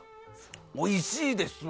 おいしいですわ。